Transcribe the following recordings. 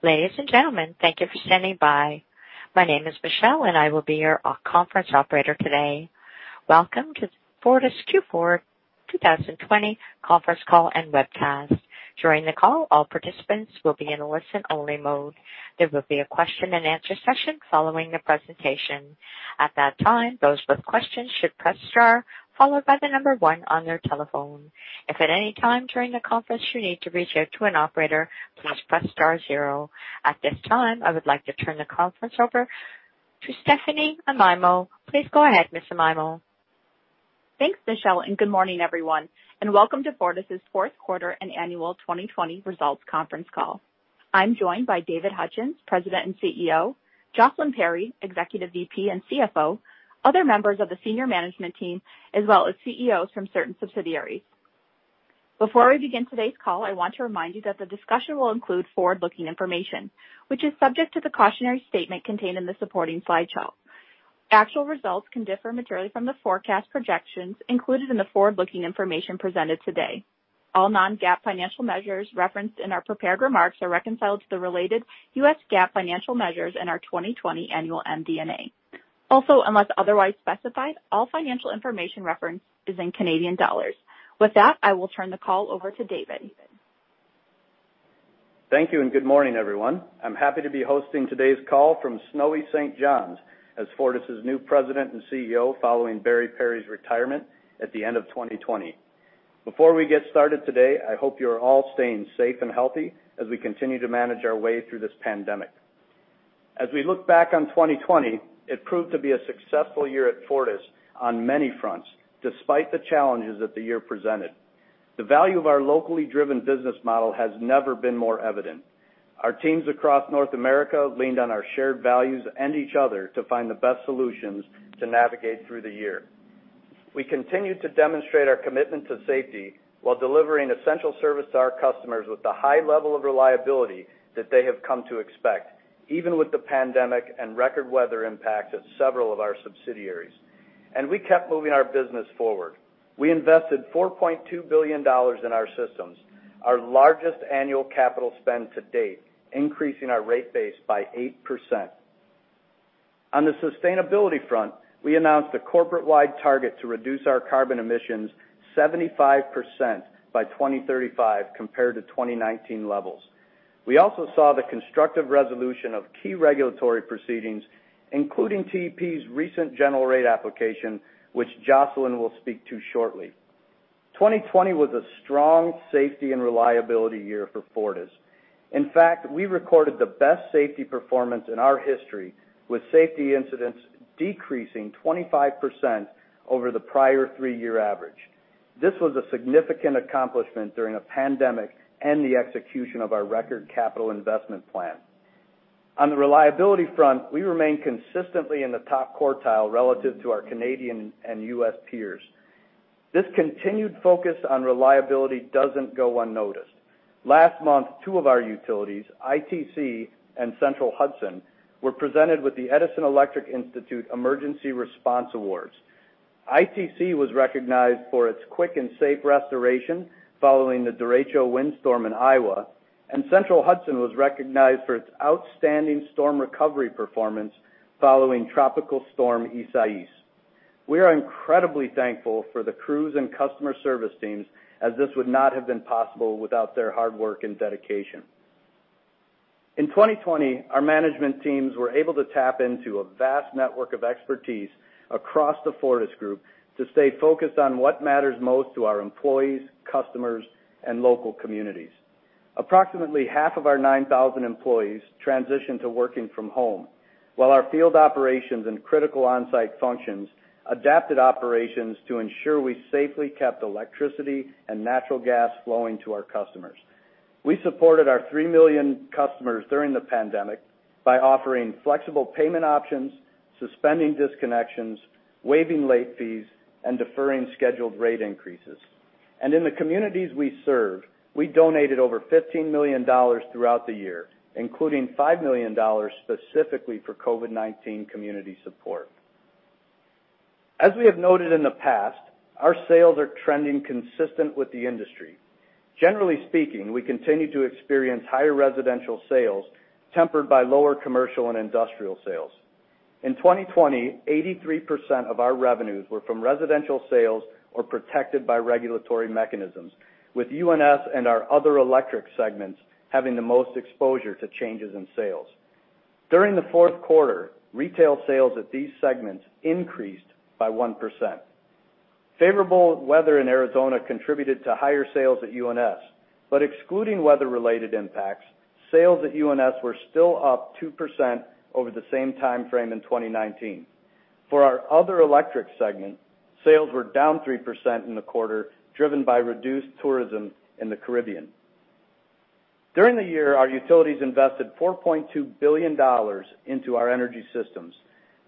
Ladies and gentlemen, thank you for standing by. My name is Michelle, I will be your conference operator today. Welcome to the Fortis Q4 2020 conference call and webcast. During the call, all participants will be in listen-only mode. There will be a question-and-answer session following the presentation. At that time, those with questions should press star followed by the number one on their telephone. If at any time during the conference you need to reach out to an operator, please press star zero. At this time, I would like to turn the conference over to Stephanie Amaimo. Please go ahead, Ms. Amaimo. Thanks, Michelle. Good morning, everyone, and welcome to Fortis' fourth quarter and annual 2020 results conference call. I'm joined by David Hutchens, President and CEO, Jocelyn Perry, Executive VP and CFO, other members of the senior management team, as well as CEOs from certain subsidiaries. Before we begin today's call, I want to remind you that the discussion will include forward-looking information, which is subject to the cautionary statement contained in the supporting slide show. Actual results can differ materially from the forecast projections included in the forward-looking information presented today. All non-GAAP financial measures referenced in our prepared remarks are reconciled to the related U.S. GAAP financial measures in our 2020 annual MD&A. Also, unless otherwise specified, all financial information referenced is in Canadian dollars. With that, I will turn the call over to David. Thank you, and good morning, everyone. I'm happy to be hosting today's call from snowy St. John's as Fortis' new President and CEO following Barry Perry's retirement at the end of 2020. Before we get started today, I hope you're all staying safe and healthy as we continue to manage our way through this pandemic. As we look back on 2020, it proved to be a successful year at Fortis on many fronts, despite the challenges that the year presented. The value of our locally driven business model has never been more evident. Our teams across North America leaned on our shared values and each other to find the best solutions to navigate through the year. We continued to demonstrate our commitment to safety while delivering essential service to our customers with the high level of reliability that they have come to expect, even with the pandemic and record weather impacts at several of our subsidiaries. We kept moving our business forward. We invested 4.2 billion dollars in our systems, our largest annual capital spend to date, increasing our rate base by 8%. On the sustainability front, we announced a corporate-wide target to reduce our carbon emissions 75% by 2035 compared to 2019 levels. We also saw the constructive resolution of key regulatory proceedings, including TEP's recent general rate application, which Jocelyn will speak to shortly. 2020 was a strong safety and reliability year for Fortis. In fact, we recorded the best safety performance in our history, with safety incidents decreasing 25% over the prior three-year average. This was a significant accomplishment during a pandemic and the execution of our record capital investment plan. On the reliability front, we remain consistently in the top quartile relative to our Canadian and U.S. peers. This continued focus on reliability doesn't go unnoticed. Last month, two of our utilities, ITC and Central Hudson, were presented with the Edison Electric Institute Emergency Response Awards. ITC was recognized for its quick and safe restoration following the derecho windstorm in Iowa, and Central Hudson was recognized for its outstanding storm recovery performance following Tropical Storm Isaias. We are incredibly thankful for the crews and customer service teams, as this would not have been possible without their hard work and dedication. In 2020, our management teams were able to tap into a vast network of expertise across the Fortis group to stay focused on what matters most to our employees, customers, and local communities. Approximately half of our 9,000 employees transitioned to working from home, while our field operations and critical on-site functions adapted operations to ensure we safely kept electricity and natural gas flowing to our customers. We supported our 3 million customers during the pandemic by offering flexible payment options, suspending disconnections, waiving late fees, and deferring scheduled rate increases. In the communities we serve, we donated over 15 million dollars throughout the year, including 5 million dollars specifically for COVID-19 community support. As we have noted in the past, our sales are trending consistent with the industry. Generally speaking, we continue to experience higher residential sales tempered by lower commercial and industrial sales. In 2020, 83% of our revenues were from residential sales or protected by regulatory mechanisms, with UNS and our other electric segments having the most exposure to changes in sales. During the fourth quarter, retail sales at these segments increased by 1%. Favorable weather in Arizona contributed to higher sales at UNS, but excluding weather-related impacts, sales at UNS were still up 2% over the same time frame in 2019. For our other electric segment, sales were down 3% in the quarter, driven by reduced tourism in the Caribbean. During the year, our utilities invested 4.2 billion dollars into our energy systems.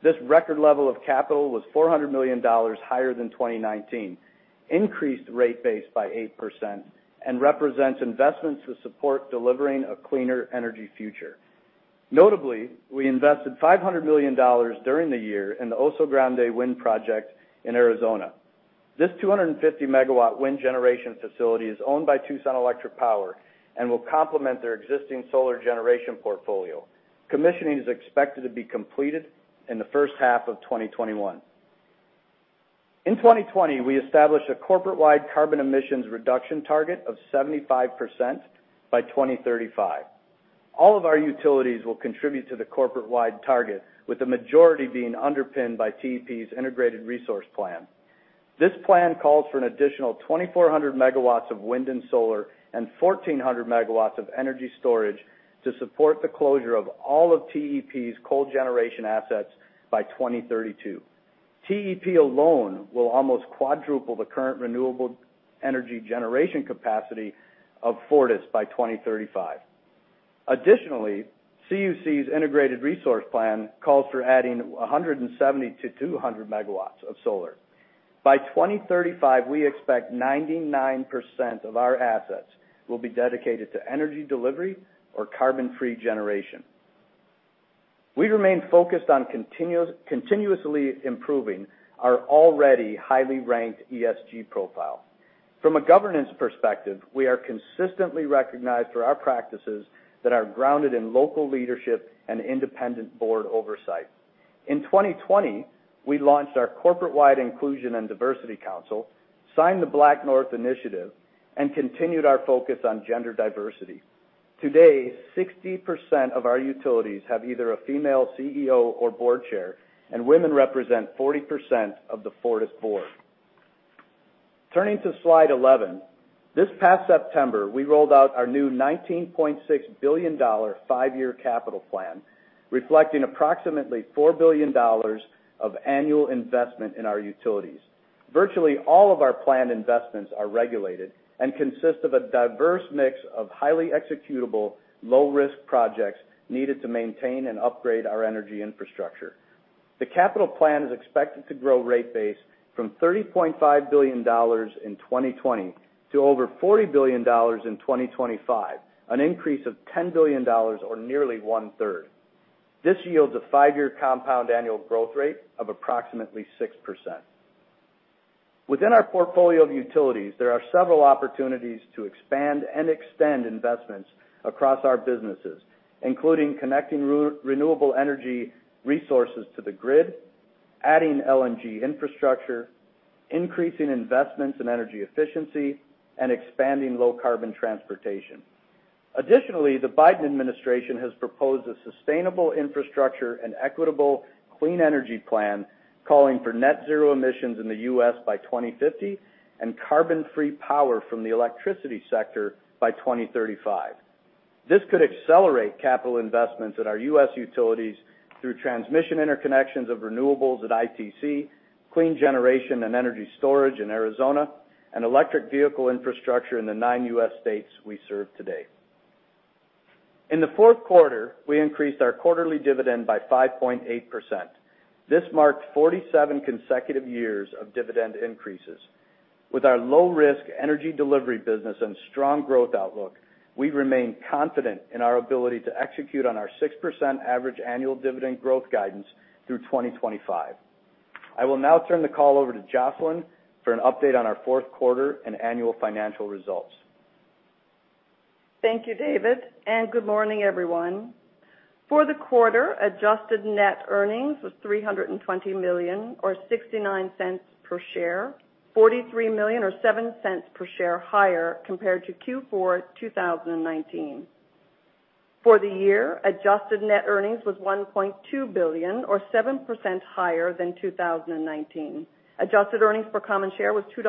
This record level of capital was 400 million dollars higher than 2019, increased the rate base by 8% and represents investments to support delivering a cleaner energy future. Notably, we invested 500 million dollars during the year in the Oso Grande Wind project in Arizona. This 250 MW wind generation facility is owned by Tucson Electric Power and will complement their existing solar generation portfolio. Commissioning is expected to be completed in the first half of 2021. In 2020, we established a corporate-wide carbon emissions reduction target of 75% by 2035. All of our utilities will contribute to the corporate-wide target, with the majority being underpinned by TEP's integrated resource plan. This plan calls for an additional 2,400 MW of wind and solar and 1,400 MW of energy storage to support the closure of all of TEP's coal generation assets by 2032. TEP alone will almost quadruple the current renewable energy generation capacity of Fortis by 2035. Additionally, CUC's integrated resource plan calls for adding 170 MW-200 MW of solar. By 2035, we expect 99% of our assets will be dedicated to energy delivery or carbon-free generation. We remain focused on continuously improving our already highly-ranked ESG profile. From a governance perspective, we are consistently recognized for our practices that are grounded in local leadership and independent board oversight. In 2020, we launched our corporate-wide Inclusion and Diversity Council, signed the BlackNorth Initiative, and continued our focus on gender diversity. Today, 60% of our utilities have either a female CEO or board chair, and women represent 40% of the Fortis board. Turning to slide 11. This past September, we rolled out our new 19.6 billion dollar five-year capital plan, reflecting approximately 4 billion dollars of annual investment in our utilities. Virtually all of our planned investments are regulated and consist of a diverse mix of highly executable, low-risk projects needed to maintain and upgrade our energy infrastructure. The capital plan is expected to grow rate base from 30.5 billion dollars in 2020 to over 40 billion dollars in 2025, an increase of 10 billion dollars or nearly 1/3. This yields a five-year compound annual growth rate of approximately 6%. Within our portfolio of utilities, there are several opportunities to expand and extend investments across our businesses, including connecting renewable energy resources to the grid, adding LNG infrastructure, increasing investments in energy efficiency, and expanding low-carbon transportation. Additionally, the Biden administration has proposed a sustainable infrastructure and equitable clean energy plan calling for net zero emissions in the U.S. by 2050 and carbon-free power from the electricity sector by 2035. This could accelerate capital investments at our U.S. utilities through transmission interconnections of renewables at ITC, clean generation and energy storage in Arizona, and electric vehicle infrastructure in the nine U.S. states we serve today. In the fourth quarter, we increased our quarterly dividend by 5.8%. This marked 47 consecutive years of dividend increases. With our low-risk energy delivery business and strong growth outlook, we remain confident in our ability to execute on our 6% average annual dividend growth guidance through 2025. I will now turn the call over to Jocelyn for an update on our fourth quarter and annual financial results. Thank you, David, and good morning, everyone. For the quarter, adjusted net earnings was 320 million, or 0.69 per share, 43 million or 0.07 per share higher compared to Q4 2019. For the year, adjusted net earnings was 1.2 billion or 7% higher than 2019. Adjusted earnings per common share was 2.57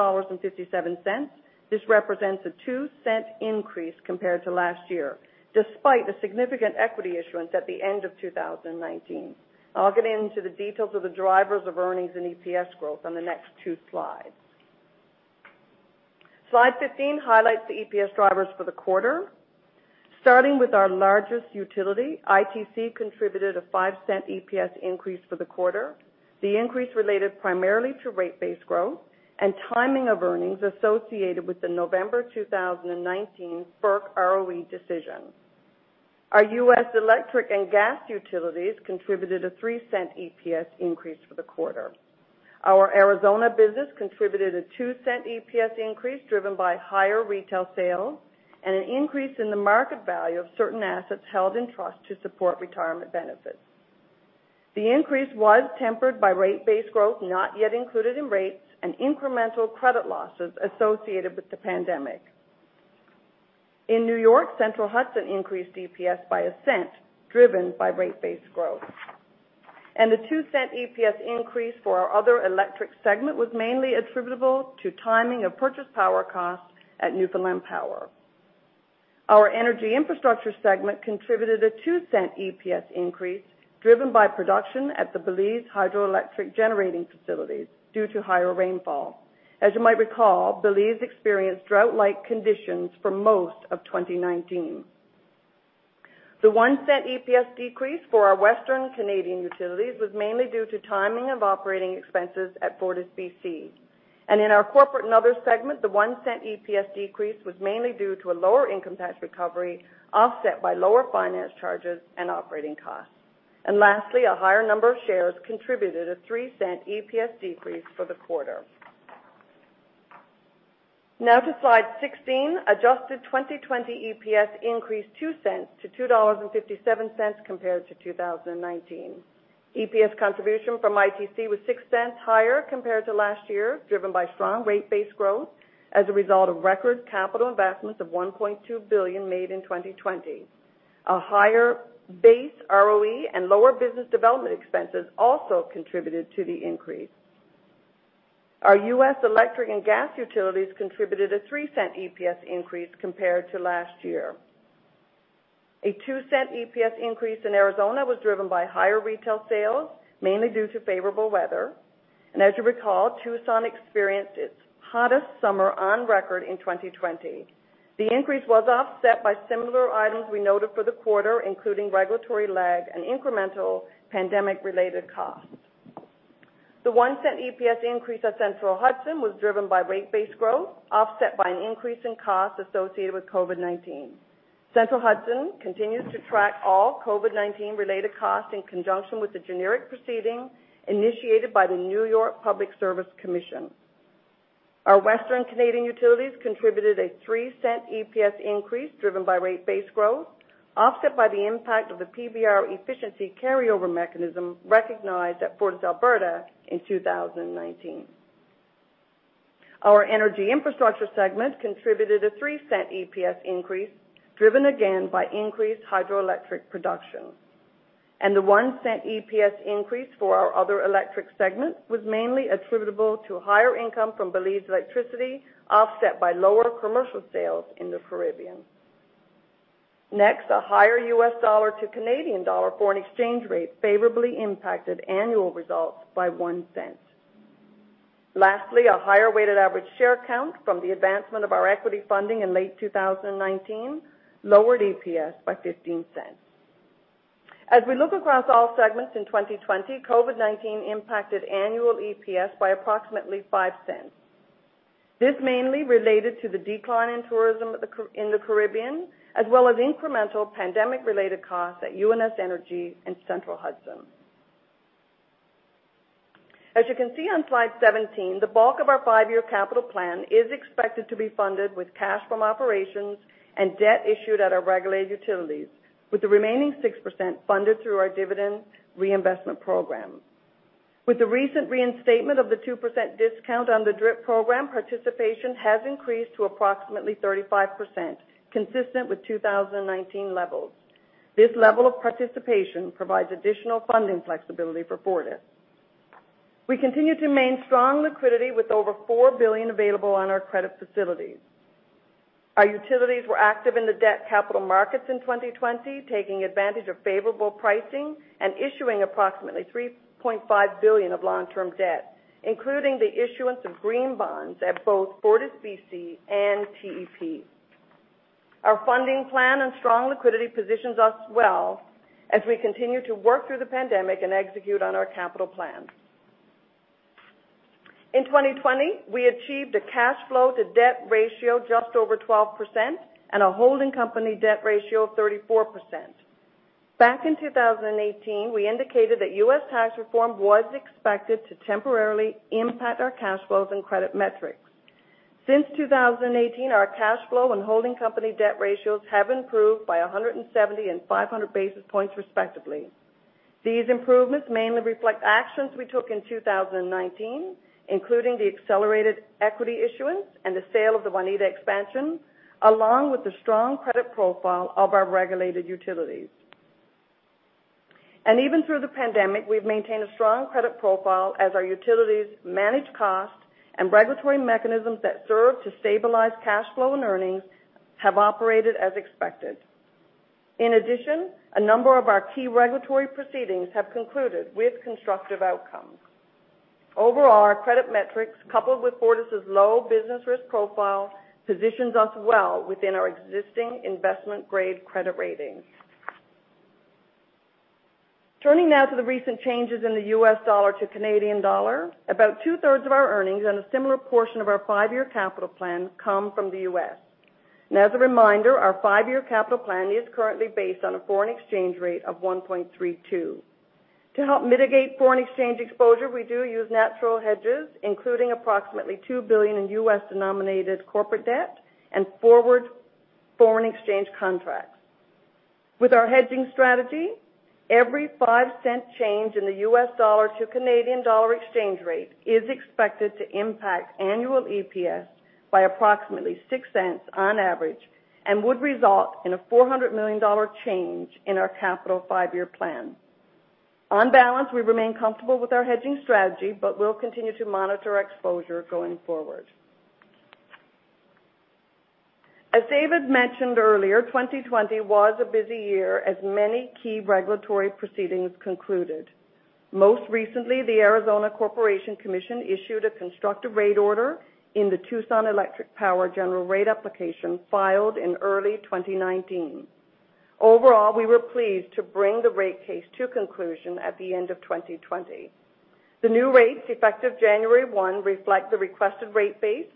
dollars. This represents a 0.02 increase compared to last year, despite a significant equity issuance at the end of 2019. I'll get into the details of the drivers of earnings and EPS growth on the next two slides. Slide 15 highlights the EPS drivers for the quarter. Starting with our largest utility, ITC contributed a 0.05 EPS increase for the quarter. The increase related primarily to rate base growth and timing of earnings associated with the November 2019 FERC ROE decision. Our U.S. electric and gas utilities contributed a 0.03 EPS increase for the quarter. Our Arizona business contributed a 0.02 EPS increase, driven by higher retail sales and an increase in the market value of certain assets held in trust to support retirement benefits. The increase was tempered by rate base growth not yet included in rates and incremental credit losses associated with the pandemic. In New York, Central Hudson increased EPS by CAD 0.01, driven by rate base growth. The CAD 0.02 EPS increase for our other electric segment was mainly attributable to timing of purchased power costs at Newfoundland Power. Our energy infrastructure segment contributed a 0.02 EPS increase, driven by production at the Belize hydroelectric generating facilities due to higher rainfall. As you might recall, Belize experienced drought-like conditions for most of 2019. The 0.01 EPS decrease for our Western Canadian utilities was mainly due to timing of operating expenses at FortisBC. In our Corporate and Other segment, the 0.01 EPS decrease was mainly due to a lower income tax recovery, offset by lower finance charges and operating costs. Lastly, a higher number of shares contributed a CAD 0.03 EPS decrease for the quarter. To Slide 16, adjusted 2020 EPS increased 0.02-2.57 dollars compared to 2019. EPS contribution from ITC was 0.06 higher compared to last year, driven by strong rate-based growth as a result of record capital investments of 1.2 billion made in 2020. A higher base ROE and lower business development expenses also contributed to the increase. Our U.S. electric and gas utilities contributed a CAD 0.03 EPS increase compared to last year. A CAD 0.02 EPS increase in Arizona was driven by higher retail sales, mainly due to favorable weather. As you recall, Tucson experienced its hottest summer on record in 2020. The increase was offset by similar items we noted for the quarter, including regulatory lag and incremental pandemic-related costs. The CAD 0.01 EPS increase at Central Hudson was driven by rate-based growth, offset by an increase in costs associated with COVID-19. Central Hudson continues to track all COVID-19-related costs in conjunction with the generic proceeding initiated by the New York Public Service Commission. Our Western Canadian utilities contributed a 0.03 EPS increase driven by rate-based growth, offset by the impact of the PBR efficiency carryover mechanism recognized at FortisAlberta in 2019. Our Energy Infrastructure segment contributed a 0.03 EPS increase, driven again by increased hydroelectric production. The 0.01 EPS increase for our other electric segment was mainly attributable to higher income from Belize Electricity, offset by lower commercial sales in the Caribbean. Next, a higher U.S. dollar to Canadian dollar foreign exchange rate favorably impacted annual results by 0.01. Lastly, a higher weighted average share count from the advancement of our equity funding in late 2019 lowered EPS by 0.15. As we look across all segments in 2020, COVID-19 impacted annual EPS by approximately 0.05. This mainly related to the decline in tourism in the Caribbean, as well as incremental pandemic-related costs at UNS Energy and Central Hudson. As you can see on Slide 17, the bulk of our five-year capital plan is expected to be funded with cash from operations and debt issued at our regulated utilities, with the remaining 6% funded through our dividend reinvestment program. With the recent reinstatement of the 2% discount on the DRIP program, participation has increased to approximately 35%, consistent with 2019 levels. This level of participation provides additional funding flexibility for Fortis. We continue to maintain strong liquidity with over 4 billion available on our credit facilities. Our utilities were active in the debt capital markets in 2020, taking advantage of favorable pricing and issuing approximately 3.5 billion of long-term debt, including the issuance of green bonds at both FortisBC and TEP. Our funding plan and strong liquidity positions us well as we continue to work through the pandemic and execute on our capital plan. In 2020, we achieved a cash flow to debt ratio just over 12% and a holding company debt ratio of 34%. Back in 2018, we indicated that U.S. tax reform was expected to temporarily impact our cash flows and credit metrics. Since 2018, our cash flow and holding company debt ratios have improved by 170 basis points and 500 basis points respectively. These improvements mainly reflect actions we took in 2019, including the accelerated equity issuance and the sale of the Waneta expansion, along with the strong credit profile of our regulated utilities. Even through the pandemic, we've maintained a strong credit profile as our utilities manage cost and regulatory mechanisms that serve to stabilize cash flow and earnings have operated as expected. In addition, a number of our key regulatory proceedings have concluded with constructive outcomes. Overall, our credit metrics, coupled with Fortis' low business risk profile, positions us well within our existing investment-grade credit ratings. Turning now to the recent changes in the U.S. dollar to Canadian dollar. About 2/3 of our earnings and a similar portion of our five-year capital plan come from the U.S. As a reminder, our five-year capital plan is currently based on a foreign exchange rate of 1.32. To help mitigate foreign exchange exposure, we do use natural hedges, including approximately $2 billion in U.S.-denominated corporate debt and forward foreign exchange contracts. With our hedging strategy, every 0.05 change in the U.S. dollar to Canadian dollar exchange rate is expected to impact annual EPS by approximately 0.06 on average and would result in a 400 million dollar change in our capital five-year plan. On balance, we remain comfortable with our hedging strategy, but we'll continue to monitor exposure going forward. As David mentioned earlier, 2020 was a busy year as many key regulatory proceedings concluded. Most recently, the Arizona Corporation Commission issued a constructive rate order in the Tucson Electric Power general rate application filed in early 2019. Overall, we were pleased to bring the rate case to conclusion at the end of 2020. The new rates, effective January 1, reflect the requested rate base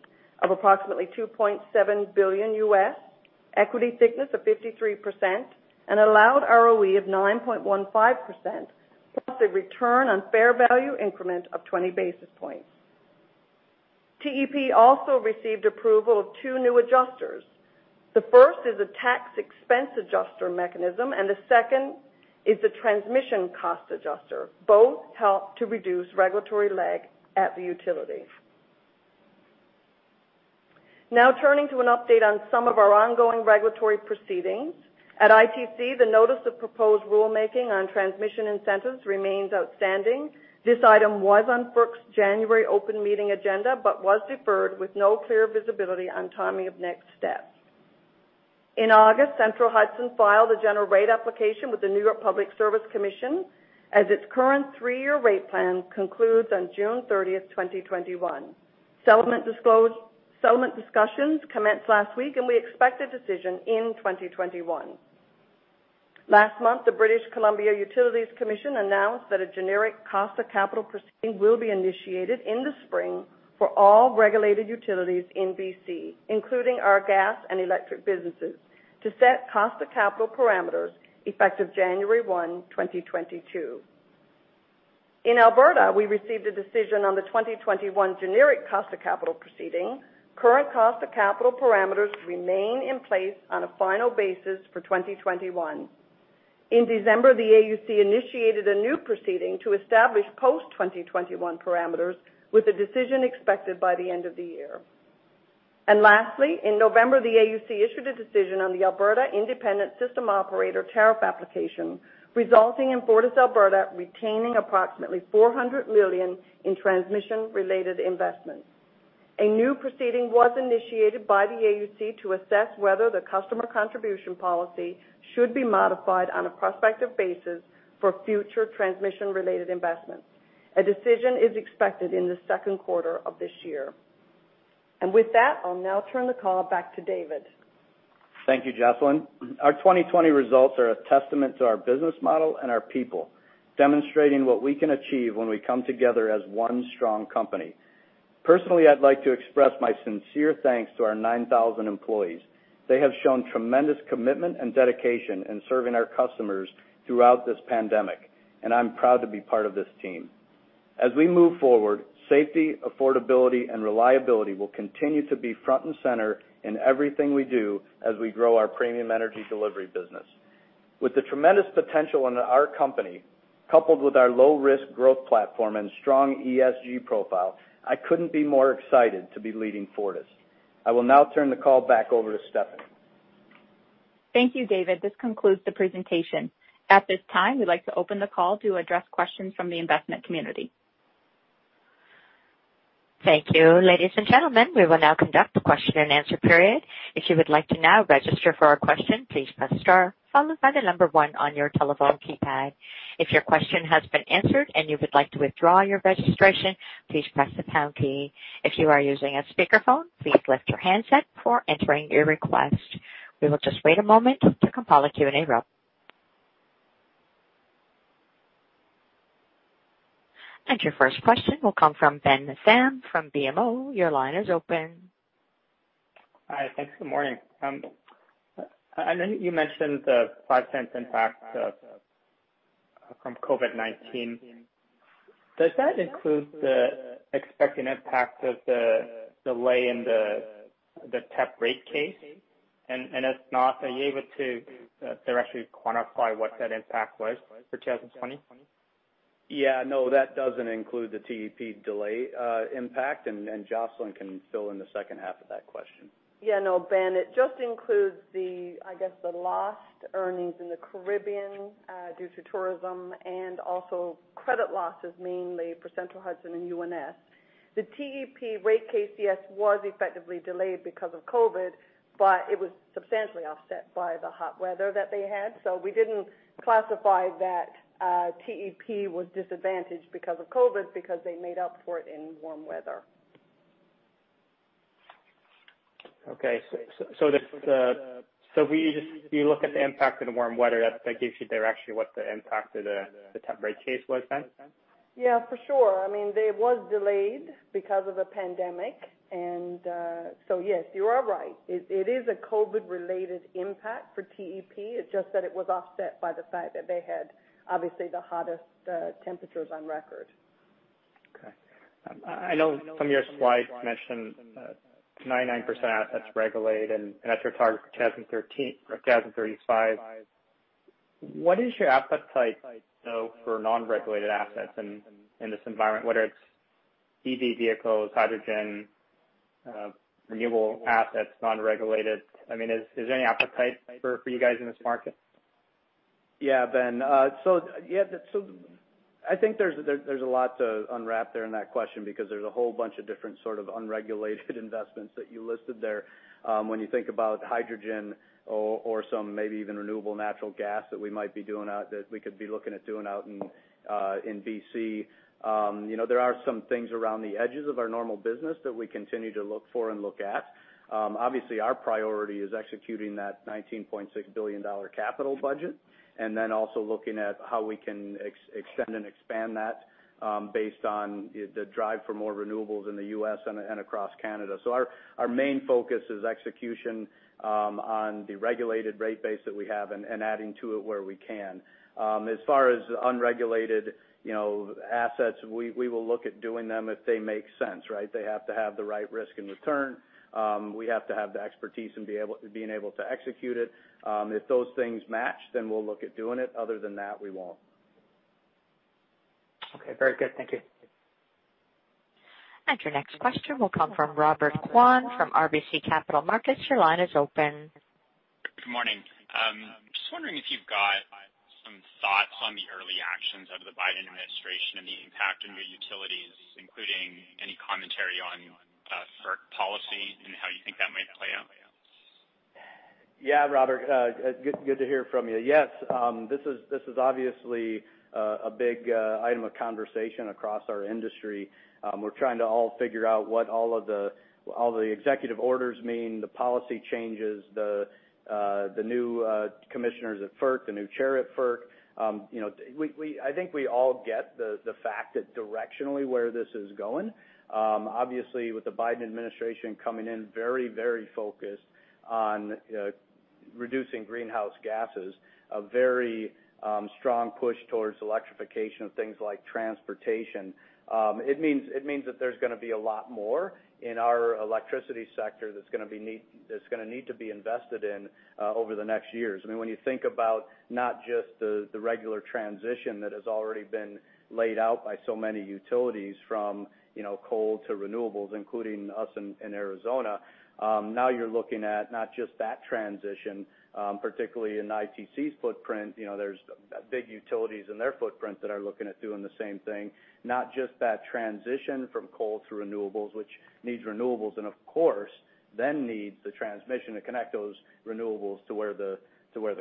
of approximately $2.7 billion, equity thickness of 53%, an allowed ROE of 9.15%, plus a return on fair value increment of 20 basis points. TEP also received approval of two new adjusters. The first is a tax expense adjuster mechanism, the second is a transmission cost adjuster. Both help to reduce regulatory lag at the utility. Turning to an update on some of our ongoing regulatory proceedings. At ITC, the notice of proposed rulemaking on transmission incentives remains outstanding. This item was on FERC's January open meeting agenda but was deferred with no clear visibility on timing of next steps. In August, Central Hudson filed a general rate application with the New York Public Service Commission as its current three-year rate plan concludes on June 30th, 2021. Settlement discussions commenced last week, we expect a decision in 2021. Last month, the British Columbia Utilities Commission announced that a generic cost of capital proceeding will be initiated in the spring for all regulated utilities in B.C., including our gas and electric businesses, to set cost of capital parameters effective January one, 2022. In Alberta, we received a decision on the 2021 generic cost of capital proceeding. Current cost of capital parameters remain in place on a final basis for 2021. In December, the AUC initiated a new proceeding to establish post-2021 parameters with a decision expected by the end of the year. Lastly, in November, the AUC issued a decision on the Alberta Electric System Operator tariff application, resulting in FortisAlberta retaining approximately 400 million in transmission-related investments. A new proceeding was initiated by the AUC to assess whether the customer contribution policy should be modified on a prospective basis for future transmission-related investments. A decision is expected in the second quarter of this year. With that, I will now turn the call back to David. Thank you, Jocelyn. Our 2020 results are a testament to our business model and our people, demonstrating what we can achieve when we come together as one strong company. Personally, I'd like to express my sincere thanks to our 9,000 employees. They have shown tremendous commitment and dedication in serving our customers throughout this pandemic, and I'm proud to be part of this team. As we move forward, safety, affordability, and reliability will continue to be front and center in everything we do as we grow our premium energy delivery business. With the tremendous potential in our company, coupled with our low-risk growth platform and strong ESG profile, I couldn't be more excited to be leading Fortis. I will now turn the call back over to Stephanie. Thank you, David. This concludes the presentation. At this time, we'd like to open the call to address questions from the investment community. Thank you. Ladies and gentlemen, we will now conduct the question-and-answer period. If you would like to now to register for a question, please press star followed by the number one on your telephone keypad. If your question has been answered and you'd like to withdraw your registration, please press the pound key. If you are using a speaker phone, please raise your handset before entering your request. We will just wait a moment to compile a Q&A row. Your first question will come from Ben Pham from BMO. Your line is open. Hi. Thanks. Good morning. I know you mentioned the 0.05 impact from COVID-19. Does that include the expected impact of the delay in the TEP rate case? If not, are you able to directly quantify what that impact was for 2020? Yeah. No, that doesn't include the TEP delay impact, and Jocelyn can fill in the second half of that question. No, Ben, it just includes the lost earnings in the Caribbean due to tourism and also credit losses mainly for Central Hudson and UNS. The TEP rate case, yes, was effectively delayed because of COVID, but it was substantially offset by the hot weather that they had. We didn't classify that TEP was disadvantaged because of COVID because they made up for it in warm weather. Okay. If you look at the impact of the warm weather, that gives you directionally what the impact of the TEP rate case was then? Yeah, for sure. It was delayed because of the pandemic. Yes, you are right. It is a COVID-related impact for TEP. It's just that it was offset by the fact that they had obviously the hottest temperatures on record. Okay. I know some of your slides mentioned 99% assets regulate and that is your target for 2035. What is your appetite for non-regulated assets in this environment, whether it is EV vehicles, hydrogen, renewable assets, non-regulated? Is there any appetite for you guys in this market? Yeah, Ben. I think there's a lot to unwrap there in that question because there's a whole bunch of different sort of unregulated investments that you listed there. When you think about hydrogen or some maybe even renewable natural gas that we could be looking at doing out in B.C. There are some things around the edges of our normal business that we continue to look for and look at. Obviously, our priority is executing that 19.6 billion dollar capital budget, and then also looking at how we can extend and expand that based on the drive for more renewables in the U.S. and across Canada. Our main focus is execution on the regulated rate base that we have and adding to it where we can. As far as unregulated assets, we will look at doing them if they make sense. They have to have the right risk and return. We have to have the expertise and being able to execute it. If those things match, then we'll look at doing it. Other than that, we won't. Okay. Very good. Thank you. Your next question will come from Robert Kwan from RBC Capital Markets. Your line is open. Good morning. Just wondering if you've got some thoughts on the early actions of the Biden administration and the impact on your utilities, including any commentary on FERC policy and how you think that might play out? Yeah, Robert, good to hear from you. This is obviously a big item of conversation across our industry. We're trying to all figure out what all of the executive orders mean, the policy changes, the new commissioners at FERC, the new chair at FERC. I think we all get the fact that directionally where this is going. Obviously, with the Biden administration coming in very focused on reducing greenhouse gases, a very strong push towards electrification of things like transportation. It means that there's going to be a lot more in our electricity sector that's going to need to be invested in over the next years. When you think about not just the regular transition that has already been laid out by so many utilities from coal to renewables, including us in Arizona, now you're looking at not just that transition, particularly in ITC's footprint, there's big utilities in their footprint that are looking at doing the same thing, not just that transition from coal to renewables, which needs renewables, and of course, then needs the transmission to connect those renewables to where the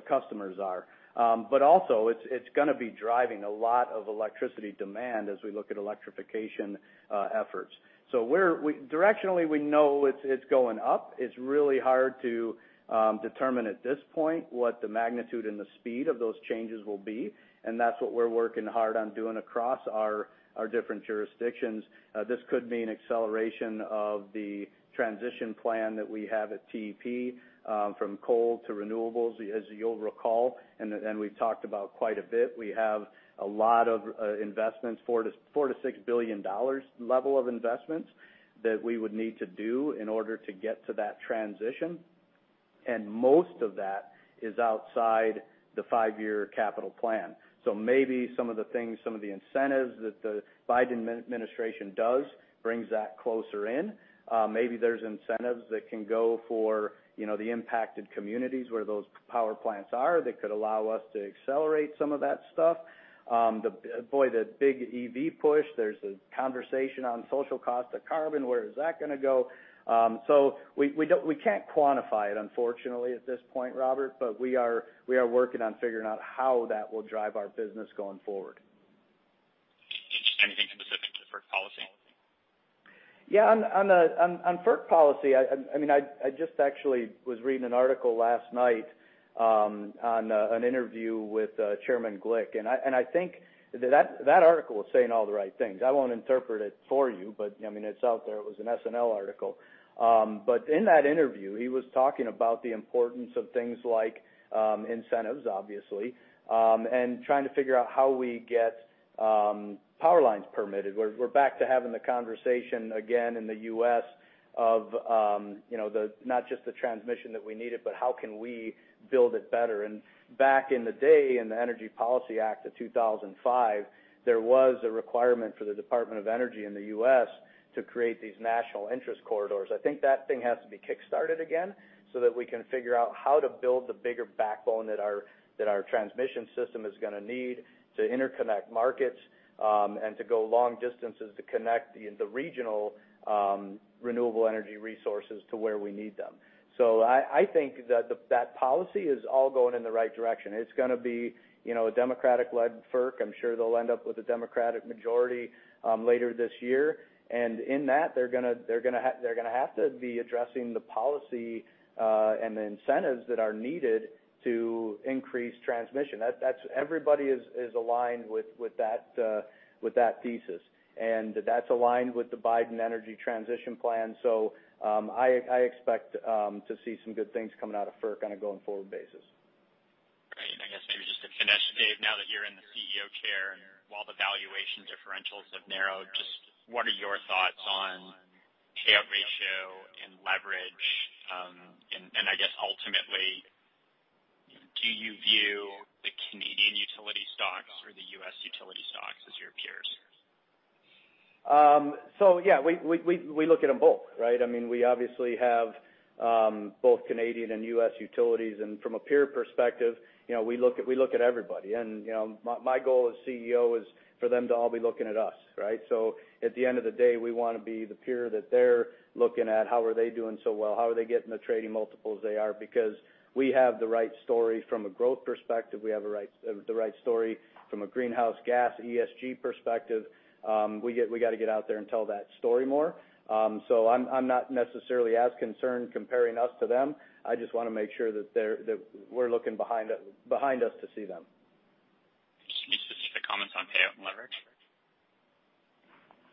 customers are. Also, it's going to be driving a lot of electricity demand as we look at electrification efforts. Directionally, we know it's going up. It's really hard to determine at this point what the magnitude and the speed of those changes will be, and that's what we're working hard on doing across our different jurisdictions. This could mean acceleration of the transition plan that we have at TEP from coal to renewables, as you'll recall, we've talked about quite a bit. We have a lot of investments, 4 billion-6 billion dollars level of investments, that we would need to do in order to get to that transition. Most of that is outside the five-year capital plan. Maybe some of the things, some of the incentives that the Biden administration does brings that closer in. Maybe there's incentives that can go for the impacted communities where those power plants are, that could allow us to accelerate some of that stuff. Boy, the big EV push, there's a conversation on social cost of carbon, where is that going to go? We can't quantify it, unfortunately, at this point, Robert, but we are working on figuring out how that will drive our business going forward. Anything specific to FERC policy? Yeah. On FERC policy, I just actually was reading an article last night, an interview with Chairman Glick. I think that article was saying all the right things. I won't interpret it for you, it's out there. It was an S&P article. In that interview, he was talking about the importance of things like incentives, obviously, and trying to figure out how we get power lines permitted. We're back to having the conversation again in the U.S. of not just the transmission that we needed, but how can we build it better. Back in the day, in the Energy Policy Act of 2005, there was a requirement for the Department of Energy in the U.S. to create these national interest corridors. I think that thing has to be kickstarted again so that we can figure out how to build the bigger backbone that our transmission system is going to need to interconnect markets, and to go long distances to connect the regional renewable energy resources to where we need them. I think that policy is all going in the right direction. It's going to be a Democratic-led FERC. I'm sure they'll end up with a Democratic majority later this year. In that, they're going to have to be addressing the policy and the incentives that are needed to increase transmission. Everybody is aligned with that thesis, and that's aligned with the Biden energy transition plan. I expect to see some good things coming out of FERC on a going-forward basis. Great. I guess maybe just to finish, Dave, now that you're in the CEO chair and while the valuation differentials have narrowed, just what are your thoughts on payout ratio and leverage? I guess ultimately, do you view the Canadian utility stocks or the U.S. utility stocks as your peers? Yeah, we look at them both, right? We obviously have both Canadian and U.S. utilities. From a peer perspective, we look at everybody. My goal as CEO is for them to all be looking at us, right? At the end of the day, we want to be the peer that they're looking at. How are they doing so well? How are they getting the trading multiples they are? We have the right story from a growth perspective. We have the right story from a greenhouse gas, ESG perspective. We got to get out there and tell that story more. I'm not necessarily as concerned comparing us to them. I just want to make sure that we're looking behind us to see them. Any specific comments on payout and leverage?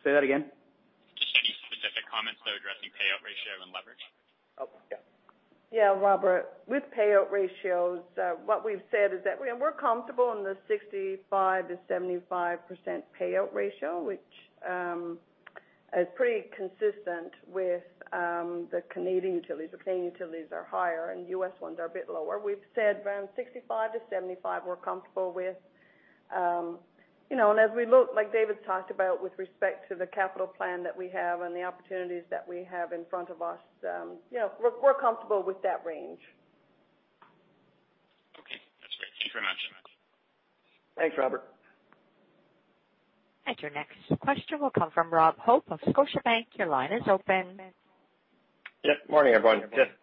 Say that again. Just any specific comments, though, addressing payout ratio and leverage? Robert, with payout ratios, what we've said is that we're comfortable in the 65%-75% payout ratio, which is pretty consistent with the Canadian utilities. The Canadian utilities are higher and U.S. ones are a bit lower. We've said around 65%-75%, we're comfortable with. As we look, like David's talked about with respect to the capital plan that we have and the opportunities that we have in front of us, we're comfortable with that range. Okay, that's great. Thank you very much. Thanks, Robert. Your next question will come from Rob Hope of Scotiabank. Your line is open. Yep. Morning, everyone. Just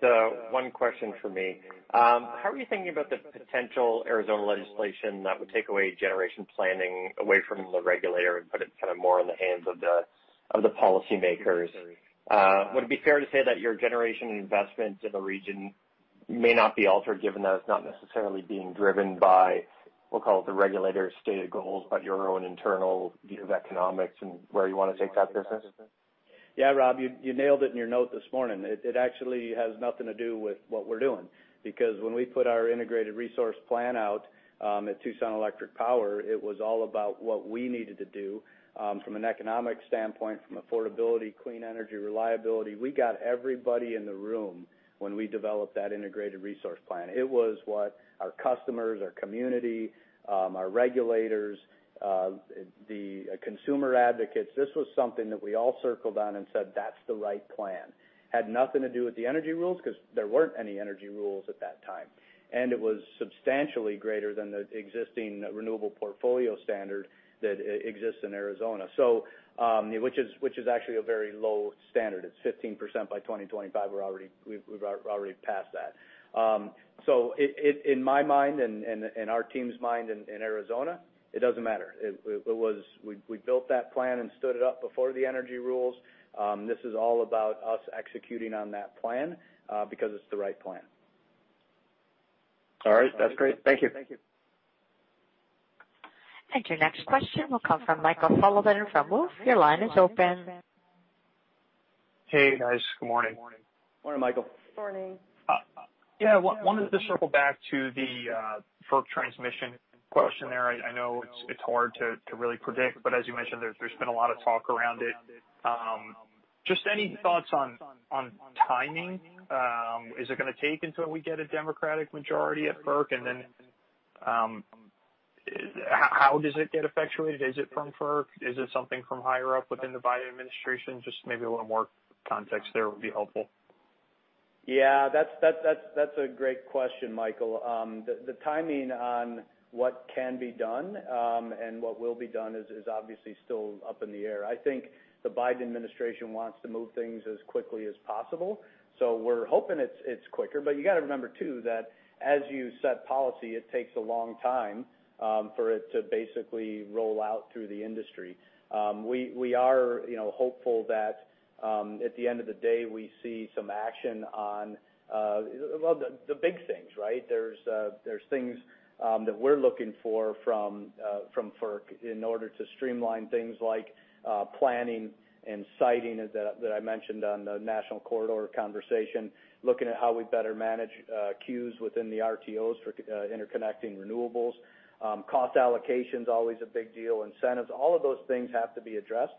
one question from me. How are you thinking about the potential Arizona legislation that would take away generation planning away from the regulator and put it kind of more in the hands of the policymakers? Would it be fair to say that your generation investments in the region may not be altered, given that it's not necessarily being driven by, we'll call it the regulator's stated goals, but your own internal view of economics and where you want to take that business? Yeah, Rob, you nailed it in your note this morning. It actually has nothing to do with what we're doing, because when we put our integrated resource plan out at Tucson Electric Power, it was all about what we needed to do from an economic standpoint, from affordability, clean energy, reliability. We got everybody in the room when we developed that integrated resource plan. It was what our customers, our community, our regulators, the consumer advocates. This was something that we all circled on and said, "That's the right plan." It had nothing to do with the energy rules because there weren't any energy rules at that time. It was substantially greater than the existing renewable portfolio standard that exists in Arizona, which is actually a very low standard. It's 15% by 2025. We've already passed that. In my mind and our team's mind in Arizona, it doesn't matter. We built that plan and stood it up before the energy rules. This is all about us executing on that plan because it's the right plan. All right, that's great. Thank you. Your next question will come from Michael Sullivan from Wolfe. Your line is open. Hey, guys. Good morning. Morning, Michael. Morning. Wanted to circle back to the FERC transmission question there. I know it's hard to really predict, but as you mentioned, there's been a lot of talk around it. Any thoughts on timing? Is it going to take until we get a Democratic majority at FERC? How does it get effectuated? Is it from FERC? Is it something from higher up within the Biden administration? Maybe a little more context there would be helpful. Yeah, that's a great question, Michael. The timing on what can be done and what will be done is obviously still up in the air. I think the Biden administration wants to move things as quickly as possible. We're hoping it's quicker. You got to remember, too, that as you set policy, it takes a long time for it to basically roll out through the industry. We are hopeful that at the end of the day, we see some action on the big things, right? There's things that we're looking for from FERC in order to streamline things like planning and siting that I mentioned on the national corridor conversation, looking at how we better manage queues within the RTOs for interconnecting renewables. Cost allocation's always a big deal. Incentives. All of those things have to be addressed.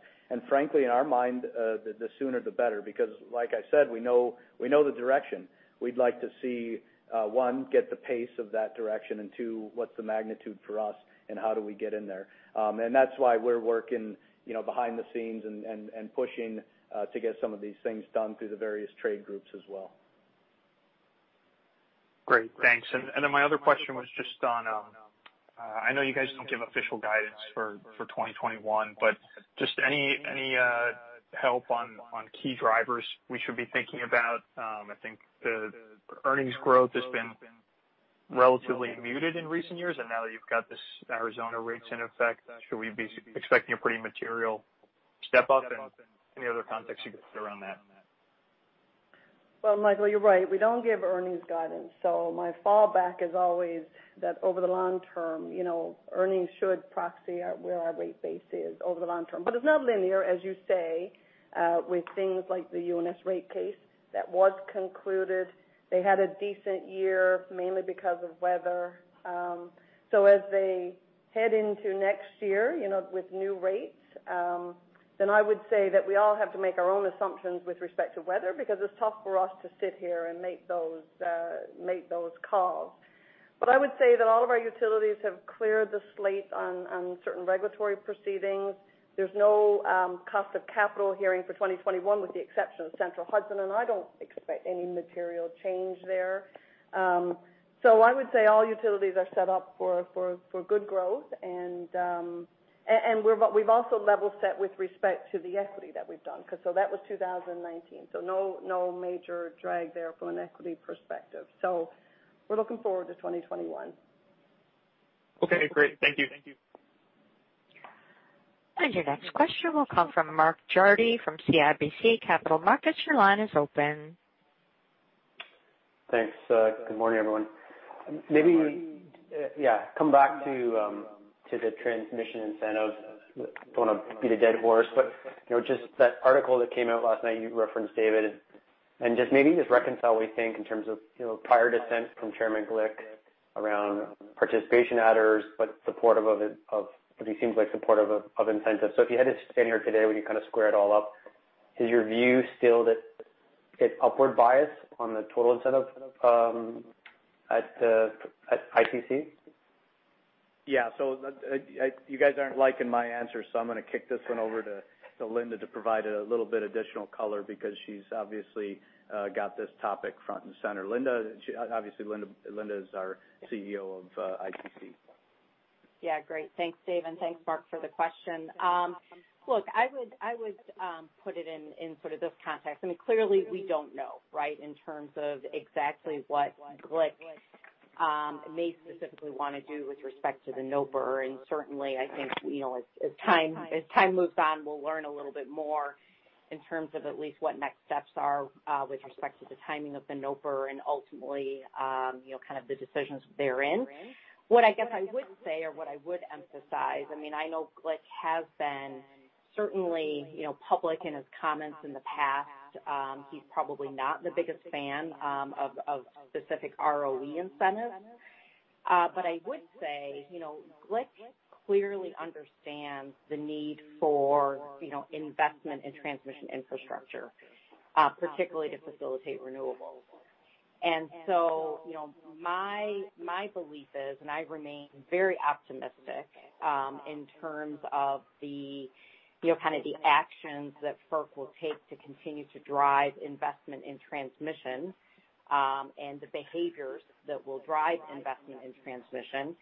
Frankly, in our mind, the sooner the better. Because like I said, we know the direction. We'd like to see, one, get the pace of that direction, and two, what's the magnitude for us and how do we get in there? That's why we're working behind the scenes and pushing to get some of these things done through the various trade groups as well. Great, thanks. My other question was just on, I know you guys don't give official guidance for 2021, but just any help on key drivers we should be thinking about? I think the earnings growth has been relatively muted in recent years, and now that you've got this Arizona rates in effect, should we be expecting a pretty material step-up and any other context you could give around that? Well, Michael, you're right. We don't give earnings guidance. My fallback is always that over the long term, earnings should proxy where our rate base is over the long term. It's not linear, as you say, with things like the UNS rate case that was concluded. They had a decent year, mainly because of weather. As they head into next year with new rates, I would say that we all have to make our own assumptions with respect to weather, because it's tough for us to sit here and make those calls. I would say that all of our utilities have cleared the slate on certain regulatory proceedings. There's no cost of capital hearing for 2021 with the exception of Central Hudson, and I don't expect any material change there. I would say all utilities are set up for good growth, and we've also level set with respect to the equity that we've done, because that was 2019. No major drag there from an equity perspective. We're looking forward to 2021. Okay, great. Thank you. Your next question will come from Mark Jarvi from CIBC Capital Markets. Your line is open. Thanks. Good morning, everyone. Good morning. Yeah. Come back to the transmission incentives. Don't want to beat a dead horse, but just that article that came out last night you referenced, David, and just maybe just reconcile what you think in terms of prior dissent from Chairman Glick around participation adders, but what he seems like supportive of incentives. If you had to stand here today, would you kind of square it all up? Is your view still that it's upward bias on the total incentive at ITC? Yeah. You guys aren't liking my answers, so I'm going to kick this one over to Linda to provide a little bit additional color because she's obviously got this topic front and center. Obviously, Linda is our CEO of ITC. Yeah, great. Thanks, Dave, and thanks, Mark, for the question. Look, I would put it in this context. I mean, clearly we don't know, right, in terms of exactly what Glick may specifically want to do with respect to the NOPR, and certainly I think, as time moves on, we'll learn a little bit more in terms of at least what next steps are with respect to the timing of the NOPR and ultimately, the decisions therein. What I guess I would say or what I would emphasize, I know Glick has been certainly public in his comments in the past. He's probably not the biggest fan of specific ROE incentives. I would say, Glick clearly understands the need for investment in transmission infrastructure, particularly to facilitate renewables. My belief is, and I remain very optimistic in terms of the actions that FERC will take to continue to drive investment in transmission, and the behaviors that will drive investment in transmission.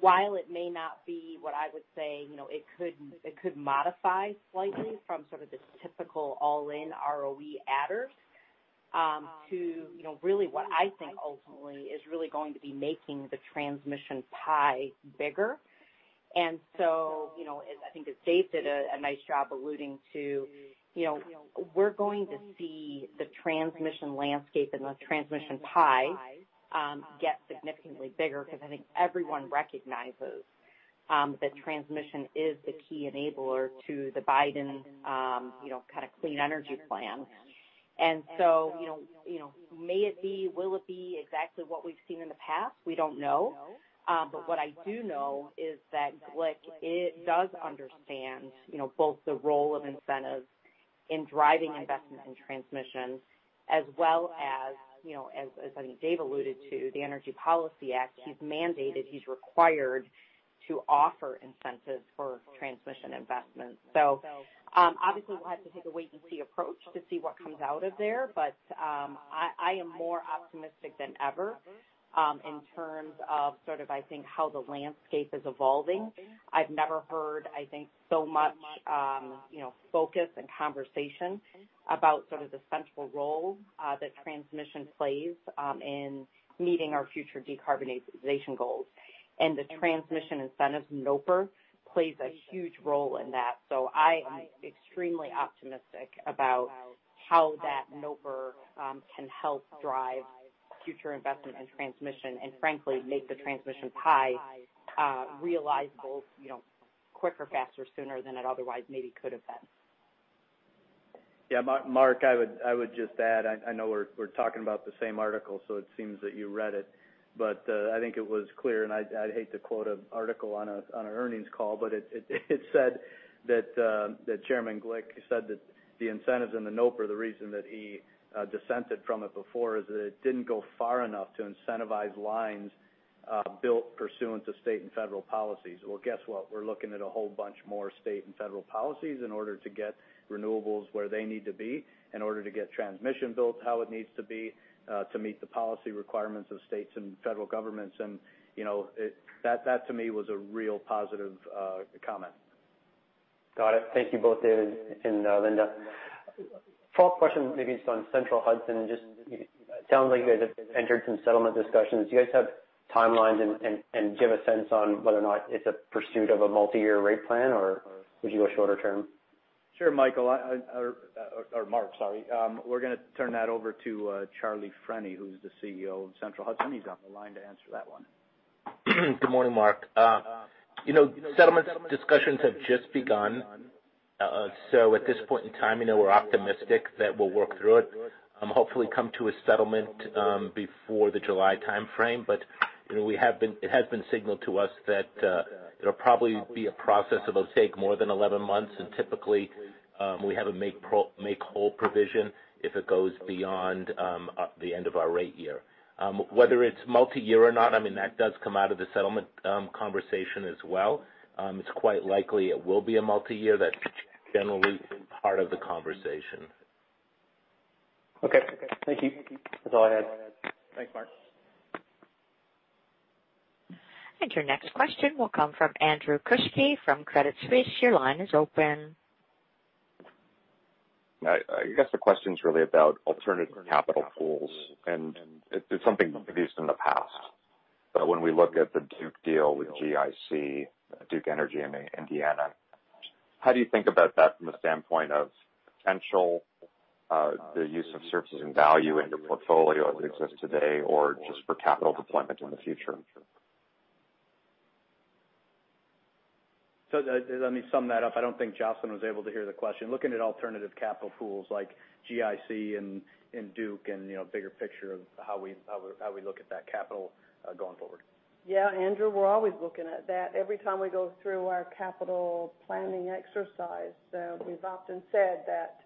While it may not be what I would say, it could modify slightly from sort of this typical all-in ROE adder, to really what I think ultimately is really going to be making the transmission pie bigger. I think as Dave did a nice job alluding to, we're going to see the transmission landscape and the transmission pie get significantly bigger because I think everyone recognizes that transmission is the key enabler to the Biden clean energy plan. May it be, will it be exactly what we've seen in the past? We don't know. What I do know is that Glick does understand both the role of incentives in driving investment in transmission as well as Dave alluded to, the Energy Policy Act, he's mandated, he's required to offer incentives for transmission investments. Obviously we'll have to take a wait and see approach to see what comes out of there. I am more optimistic than ever in terms of I think how the landscape is evolving. I've never heard, I think so much focus and conversation about sort of the central role that transmission plays in meeting our future decarbonization goals. The transmission incentives NOPR plays a huge role in that. I am extremely optimistic about how that NOPR can help drive future investment in transmission and frankly, make the transmission pie realizable quicker, faster, sooner than it otherwise maybe could have been. Yeah. Mark, I would just add, I know we're talking about the same article, so it seems that you read it. I think it was clear, and I'd hate to quote an article on an earnings call, but it said that Chairman Glick said that the incentives in the NOPR, the reason that he dissented from it before is that it didn't go far enough to incentivize lines built pursuant to state and federal policies. Well, guess what? We're looking at a whole bunch more state and federal policies in order to get renewables where they need to be, in order to get transmission built how it needs to be to meet the policy requirements of states and federal governments. That to me was a real positive comment. Got it. Thank you both, David and Linda. Fourth question, maybe it is on Central Hudson. Just sounds like you guys have entered some settlement discussions. Do you guys have timelines and do you have a sense on whether or not it is a pursuit of a multi-year rate plan, or would you go shorter term? Sure, Michael, or Mark, sorry. We're going to turn that over to Charlie Freni who's the CEO of Central Hudson. He's on the line to answer that one. Good morning, Mark. Settlement discussions have just begun. At this point in time, we're optimistic that we'll work through it, hopefully come to a settlement before the July timeframe. It has been signaled to us that it'll probably be a process that'll take more than 11 months, and typically, we have a make-whole provision if it goes beyond the end of our rate year. Whether it's multi-year or not, that does come out of the settlement conversation as well. It's quite likely it will be a multi-year. That's generally part of the conversation. Okay. Thank you. That's all I had. Thanks, Mark. Your next question will come from Andrew Kuske from Credit Suisse. Your line is open. I guess the question's really about alternative capital pools, and it's something we've used in the past. When we look at the Duke deal with GIC, Duke Energy Indiana, how do you think about that from a standpoint of potential, the use of services and value in your portfolio as it exists today, or just for capital deployment in the future? Let me sum that up. I don't think Jocelyn was able to hear the question. Looking at alternative capital pools like GIC and Duke and bigger picture of how we look at that capital going forward. Yeah, Andrew Kuske, we're always looking at that. Every time we go through our capital planning exercise, we've often said that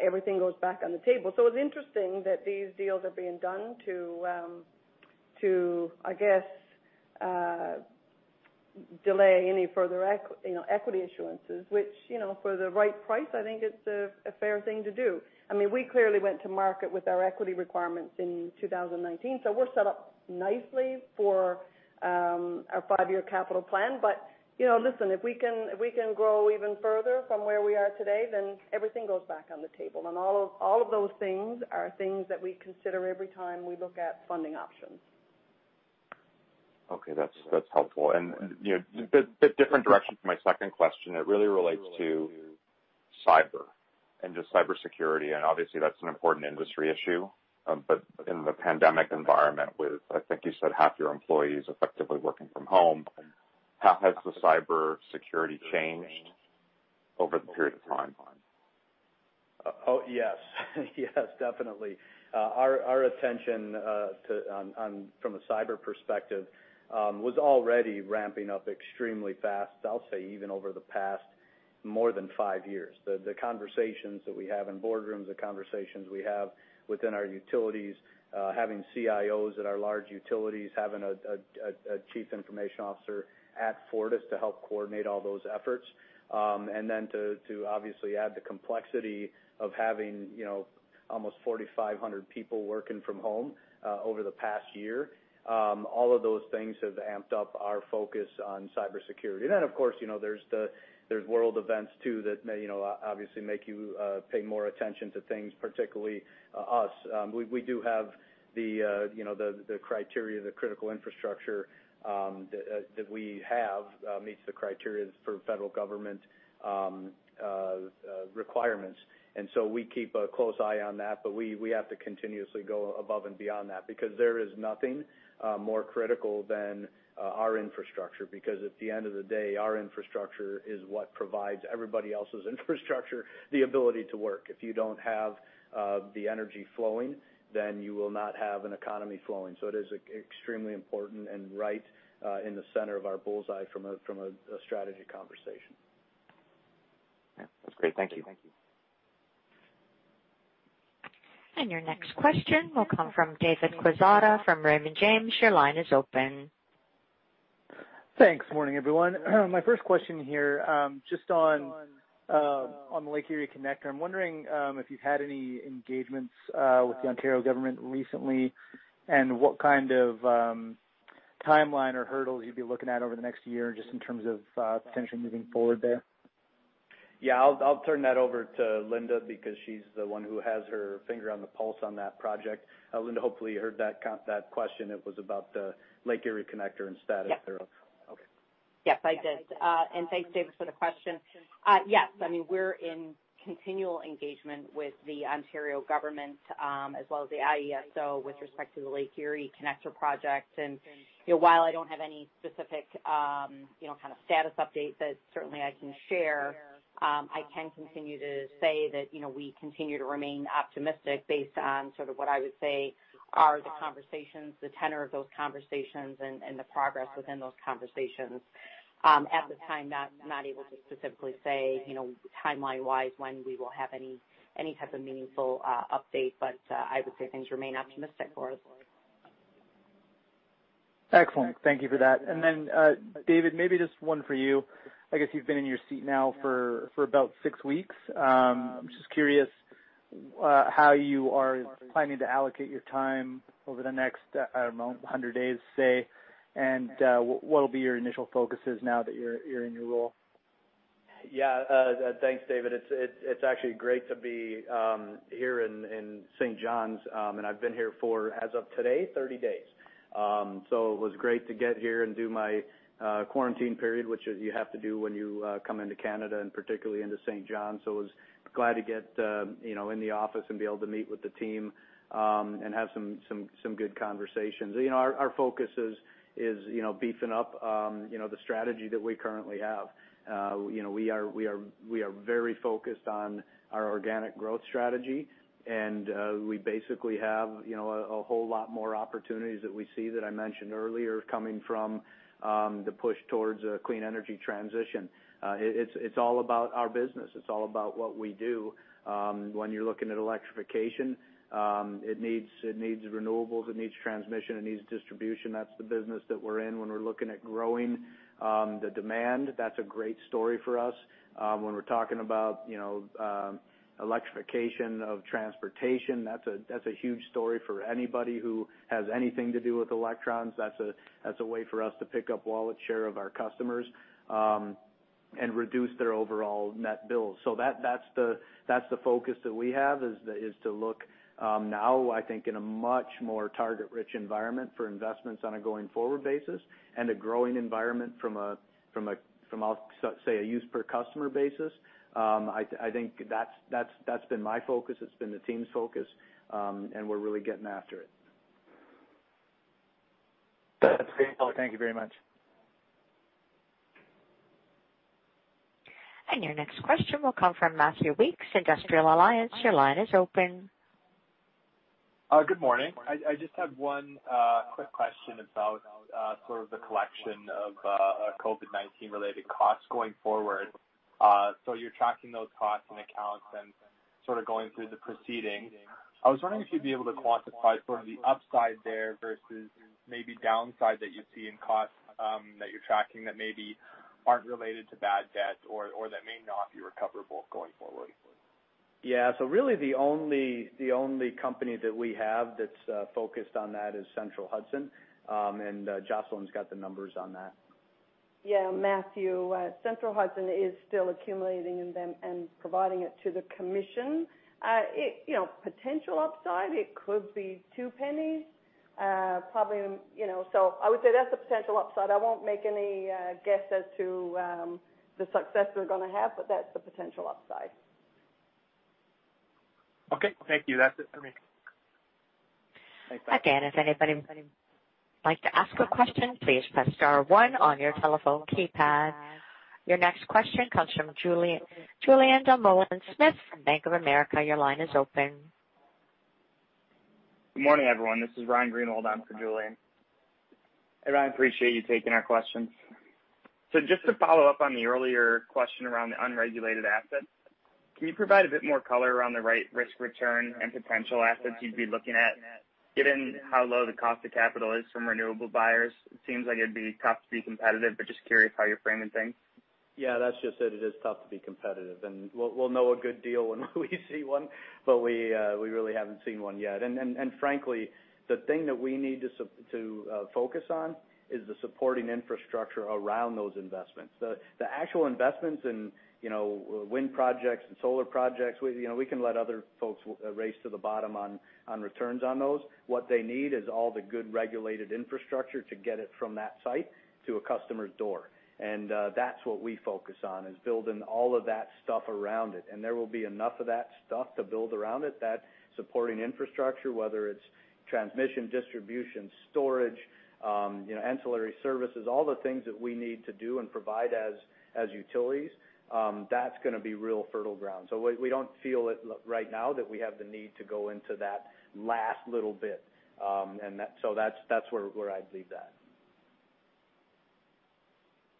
everything goes back on the table. It's interesting that these deals are being done to, I guess, delay any further equity issuances, which, for the right price, I think it's a fair thing to do. We clearly went to market with our equity requirements in 2019, so we're set up nicely for our five-year capital plan. Listen, if we can grow even further from where we are today, then everything goes back on the table, and all of those things are things that we consider every time we look at funding options. Okay. That's helpful. A bit different direction for my second question. It really relates to cyber and just cybersecurity, and obviously, that's an important industry issue. In the pandemic environment with, I think you said, half your employees effectively working from home, how has the cybersecurity changed over the period of time? Yes, definitely. Our attention from a cyber perspective was already ramping up extremely fast, I'll say, even over the past more than five years. The conversations that we have in boardrooms, the conversations we have within our utilities, having CIOs at our large utilities, having a Chief Information Officer at Fortis to help coordinate all those efforts, and then to obviously add the complexity of having almost 4,500 people working from home over the past year. All of those things have amped up our focus on cybersecurity. Of course, there's world events too, that obviously make you pay more attention to things, particularly us. We do have the criteria, the critical infrastructure that we have meets the criteria for federal government requirements. We keep a close eye on that, but we have to continuously go above and beyond that, because there is nothing more critical than our infrastructure. Because at the end of the day, our infrastructure is what provides everybody else's infrastructure the ability to work. If you don't have the energy flowing, then you will not have an economy flowing. It is extremely important and right in the center of our bull's eye from a strategy conversation. Yeah. That's great. Thank you. Your next question will come from David Quezada from Raymond James. Your line is open. Thanks. Morning, everyone. My first question here, just on the Lake Erie Connector. I'm wondering if you've had any engagements with the Ontario government recently, and what kind of timeline or hurdles you'd be looking at over the next year, just in terms of potentially moving forward there? Yeah, I'll turn that over to Linda, because she's the one who has her finger on the pulse on that project. Linda, hopefully you heard that question. It was about the Lake Erie Connector and status thereof. Yes. Okay. Yes, I did. Thanks, David, for the question. Yes. We're in continual engagement with the Ontario government, as well as the IESO with respect to the Lake Erie Connector project. While I don't have any specific kind of status update that certainly I can share, I can continue to say that we continue to remain optimistic based on sort of what I would say are the conversations, the tenor of those conversations, and the progress within those conversations. At this time, not able to specifically say, timeline-wise, when we will have any type of meaningful update. I would say things remain optimistic for us. Excellent. Thank you for that. David, maybe just one for you. I guess you've been in your seat now for about six weeks. I'm just curious how you are planning to allocate your time over the next, I don't know, 100 days, say, and what'll be your initial focuses now that you're in your role? Yeah. Thanks, David. It's actually great to be here in St. John's. I've been here for, as of today, 30 days. It was great to get here and do my quarantine period, which you have to do when you come into Canada, and particularly into St. John's. I was glad to get in the office and be able to meet with the team, and have some good conversations. Our focus is beefing up the strategy that we currently have. We are very focused on our organic growth strategy, and we basically have a whole lot more opportunities that we see that I mentioned earlier, coming from the push towards a clean energy transition. It's all about our business. It's all about what we do. When you're looking at electrification, it needs renewables, it needs transmission, it needs distribution. That's the business that we're in when we're looking at growing the demand. That's a great story for us. When we're talking about electrification of transportation, that's a huge story for anybody who has anything to do with electrons. That's a way for us to pick up wallet share of our customers, and reduce their overall net bills. That's the focus that we have, is to look now, I think, in a much more target-rich environment for investments on a going-forward basis and a growing environment from, I'll say, a use-per-customer basis. I think that's been my focus. It's been the team's focus. We're really getting after it. That's great. Thank you very much. Your next question will come from Matthew Weekes, Industrial Alliance. Your line is open. Good morning. I just have one quick question about sort of the collection of COVID-19-related costs going forward. You're tracking those costs in accounts and sort of going through the proceedings. I was wondering if you'd be able to quantify sort of the upside there versus maybe downside that you see in costs that you're tracking that maybe aren't related to bad debts or that may not be recoverable going forward. Yeah. Really the only company that we have that's focused on that is Central Hudson. Jocelyn's got the numbers on that. Matthew, Central Hudson is still accumulating and providing it to the commission. Potential upside, it could be 0.02. I would say that's the potential upside. I won't make any guess as to the success we're going to have, but that's the potential upside. Okay. Thank you. That's it for me. Thanks, Matthew. Again, if anybody would like to ask a question, please press star one on your telephone keypad. Your next question comes from Julien Dumoulin-Smith from Bank of America. Your line is open. Good morning, everyone. This is Ryan Greenwald on for Julien. Hey, Ryan, appreciate you taking our questions. Just to follow up on the earlier question around the unregulated assets, can you provide a bit more color around the right risk-return and potential assets you'd be looking at? Given how low the cost of capital is from renewable buyers, it seems like it'd be tough to be competitive, but just curious how you're framing things. Yeah, that's just it. It is tough to be competitive. We'll know a good deal when we see one. We really haven't seen one yet. Frankly, the thing that we need to focus on is the supporting infrastructure around those investments. The actual investments in wind projects and solar projects, we can let other folks race to the bottom on returns on those. What they need is all the good regulated infrastructure to get it from that site to a customer's door. That's what we focus on, is building all of that stuff around it. There will be enough of that stuff to build around it, that supporting infrastructure, whether it's transmission, distribution, storage, ancillary services, all the things that we need to do and provide as utilities. That's going to be real fertile ground. We don't feel right now that we have the need to go into that last little bit. That's where I'd leave that.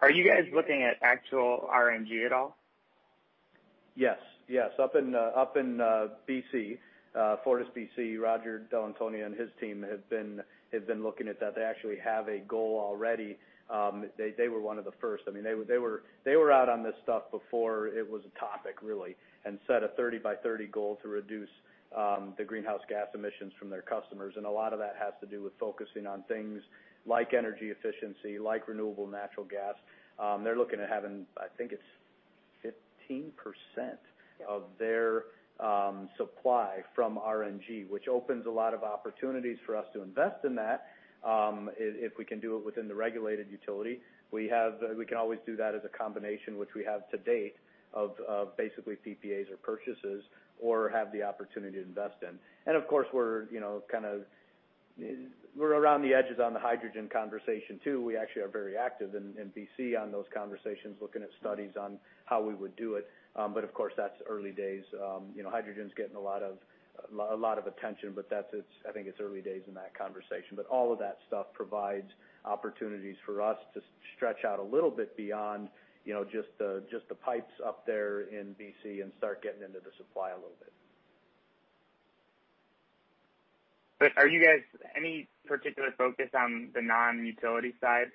Are you guys looking at actual RNG at all? Yes. Up in B.C., FortisBC, Roger Dall'Antonia and his team have been looking at that. They actually have a goal already. They were one of the first. They were out on this stuff before it was a topic, really, and set a 30-by-30 goal to reduce the greenhouse gas emissions from their customers. A lot of that has to do with focusing on things like energy efficiency, like renewable natural gas. They're looking at having, I think it's 15% of their supply from RNG, which opens a lot of opportunities for us to invest in that if we can do it within the regulated utility. We can always do that as a combination, which we have to date, of basically PPAs or purchases or have the opportunity to invest in. Of course, we're around the edges on the hydrogen conversation, too. We actually are very active in B.C. on those conversations, looking at studies on how we would do it. Of course, that's early days. Hydrogen's getting a lot of attention, I think it's early days in that conversation. All of that stuff provides opportunities for us to stretch out a little bit beyond just the pipes up there in B.C. and start getting into the supply a little bit. Are you guys any particular focus on the non-utility side?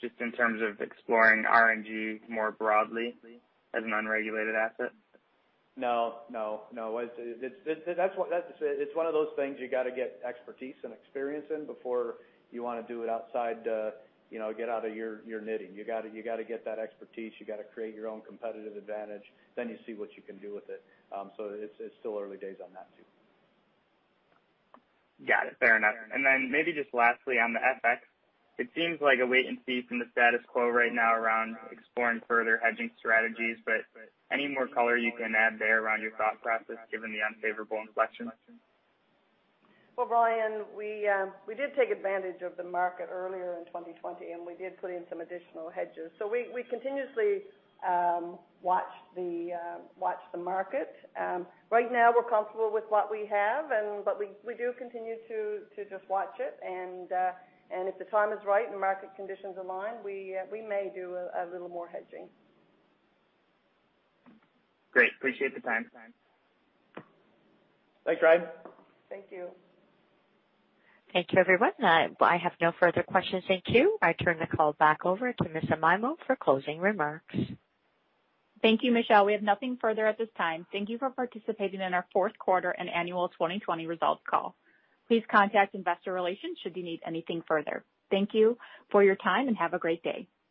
Just in terms of exploring RNG more broadly as an unregulated asset? No. It's one of those things you got to get expertise and experience in before you want to do it outside, get out of your knitting. You got to get that expertise. You got to create your own competitive advantage, then you see what you can do with it. It's still early days on that, too. Got it. Fair enough. Maybe just lastly, on the FX, it seems like a wait-and-see from the status quo right now around exploring further hedging strategies. Any more color you can add there around your thought process given the unfavorable inflection? Well, Ryan, we did take advantage of the market earlier in 2020, and we did put in some additional hedges. We continuously watch the market. Right now, we're comfortable with what we have, but we do continue to just watch it. If the time is right and the market conditions align, we may do a little more hedging. Great. Appreciate the time. Thanks, Ryan. Thank you. Thank you, everyone. I have no further questions in queue. I turn the call back over to Ms. Amaimo for closing remarks. Thank you, Michelle. We have nothing further at this time. Thank you for participating in our fourth quarter and annual 2020 results call. Please contact investor relations should you need anything further. Thank you for your time, and have a great day.